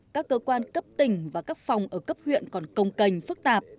các cơ quan cấp tỉnh và các phòng ở cấp huyện còn công cành phức tạp